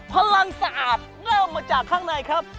พลังสะอาดเริ่มมาจากข้างในครับ